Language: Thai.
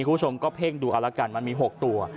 คุณผู้ชมก็เพ่งดูเอาละกันมันมี๖ตัว